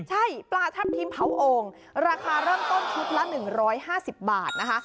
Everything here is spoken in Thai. ใช่ปลาทับทิมเผาโอ่งราคาเริ่มต้นชุดละ๑๕๐บาทนะคะ